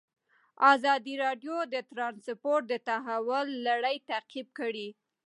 ازادي راډیو د ترانسپورټ د تحول لړۍ تعقیب کړې.